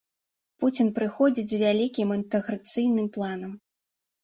Пуцін прыходзіць з вялікім інтэграцыйным планам.